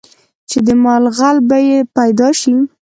چې د مال غل به یې پیدا شي.